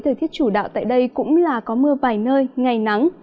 thời tiết chủ đạo tại đây cũng là có mưa vài nơi ngày nắng